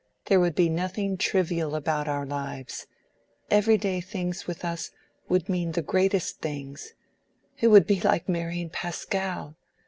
There would be nothing trivial about our lives. Every day things with us would mean the greatest things. It would be like marrying Pascal.